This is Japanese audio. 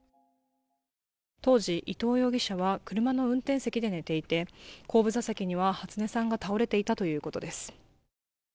当時、伊藤容疑者は車の運転席で寝ていて後部座席には初音さんが倒れていたということです。